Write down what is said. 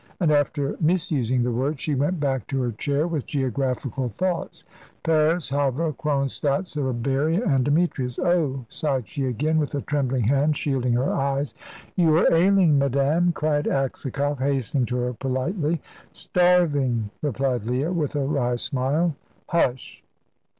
and after misusing the word, she went back to her chair with geographical thoughts. Paris Havre Kronstadt Siberia; and Demetrius. "Oh!" sighed she again, with a trembling hand shielding her eyes. "You are ailing, madame," cried Aksakoff, hastening to her politely. "Starving!" replied Leah, with a wry smile. "Hush!"